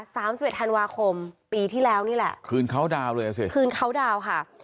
สามสิบเอ็ดธันวาคมปีที่แล้วนี่แหละคืนเขาดาวน์เลยอ่ะสิคืนเขาดาวค่ะ